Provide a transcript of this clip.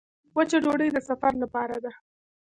وچه ډوډۍ د سفر لپاره ده.